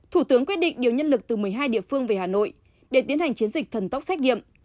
thủ tướng quyết định điều nhân lực từ một mươi hai địa phương về hà nội để tiến hành chiến dịch thần tốc xét nghiệm